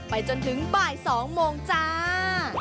จนถึงบ่าย๒โมงจ้า